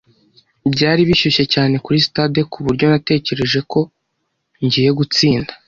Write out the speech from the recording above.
Byari bishyushye cyane kuri stade kuburyo natekereje ko ngiye gutsinda.